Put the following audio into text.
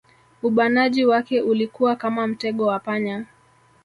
Ubanaji wake ulikuwa kama mtego wa panya